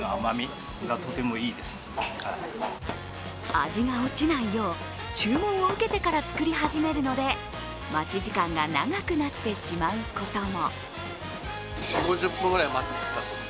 味が落ちないよう注文を受けてから作り始めるので、待ち時間が長くなってしまうことも。